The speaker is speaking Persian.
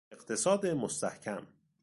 اقتصاد مستحکم